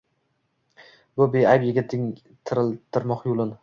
Bu beayb yigitning tiriltmoq yo’lin